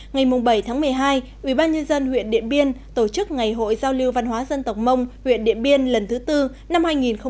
ngày bảy tháng một mươi hai ubnd huyện điện biên tổ chức ngày hội giao lưu văn hóa dân tộc mông huyện điện biên lần thứ tư năm hai nghìn một mươi chín